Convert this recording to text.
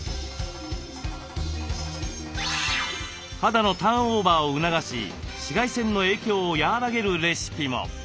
肌のターンオーバーを促し紫外線の影響を和らげるレシピも。